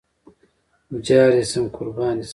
جار دې شم قربان دې شم